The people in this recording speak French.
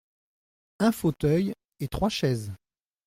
Un fauteuil et trois chaises.